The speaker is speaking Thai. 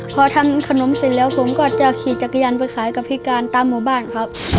พอทำขนมเสร็จแล้วผมก็จะขี่จักรยานไปขายกับพิการตามหมู่บ้านครับ